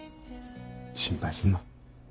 心配すんな。